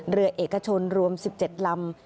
เรือเอกชนรวม๑๗ลำ